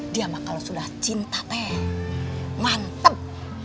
dia mah kalau sudah cinta teh mantep